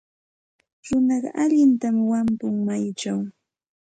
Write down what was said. Runaqa allintam wampun mayuchaw.